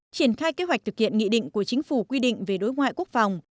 triển khai kế hoạch thực hiện nghị định của chính phủ quy định về đối ngoại quốc phòng